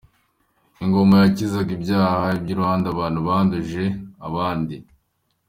Ingoma yakizaga ibyaha by’ubwandure abantu banduje abandi.